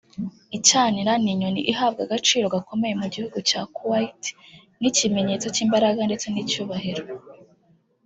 Icyanira ni inyoni ihabwa agaciro gakomeye mu gihugu cya Kuwait nk’ikimenyetso cy’imbaraga ndetse n’icyubahiro